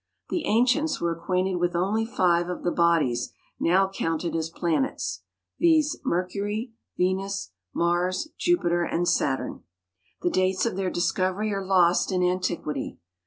The ancients were acquainted with only five of the bodies now counted as planets, viz.: Mercury, Venus, Mars, Jupiter, and Saturn. The dates of their discovery are lost in antiquity.